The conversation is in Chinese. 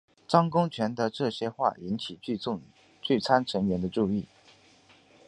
张公权的这些话引起聚餐成员的注意。